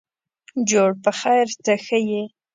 جوړ په خیرته ښه یې.